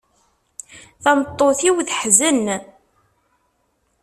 Tameṭṭut-iw teḥzen.